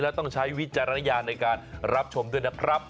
แล้วต้องใช้วิจารณญาณในการรับชมด้วยนะครับ